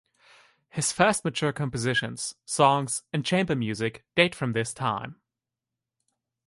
His first mature compositions, songs and chamber music, date from this time.